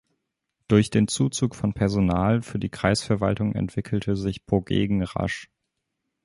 Durch den Zuzug von Personal für die Kreisverwaltung entwickelte sich Pogegen rasch.